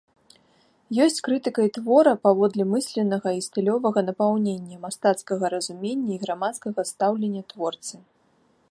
Ёсць крытыкай твора паводле мысленнага і стылёвага напаўнення, мастацкага разумення і грамадскага стаўлення творцы.